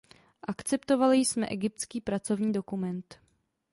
Akceptovali jsme egyptský pracovní dokument.